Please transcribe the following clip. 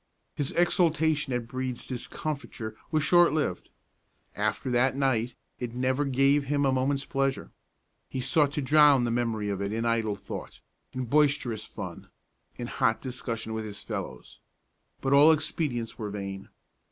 His exultation at Brede's discomfiture was short lived. After that night it never gave him a moment's pleasure. He sought to drown the memory of it in idle thought, in boisterous fun, in hot discussion with his fellows; but all expedients were vain.